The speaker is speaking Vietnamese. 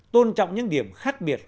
tôn trọng những điểm khác biệt